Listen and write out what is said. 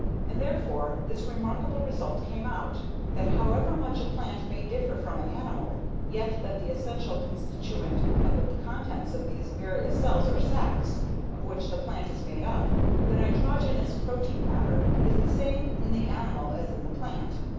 And therefore this remarkable result came out that however much a plant may differ from an animal, yet that the essential constituent of the contents of these various cells or sacs of which the plant is made up, the nitrogenous protein matter, is the same in the animal as in the plant.